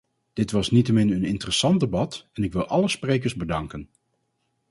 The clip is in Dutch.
Dit was niettemin een interessant debat en ik wil alle sprekers bedanken.